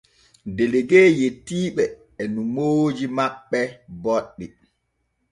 Delegue yetti ɓe e nomooji maɓɓe boɗɗi.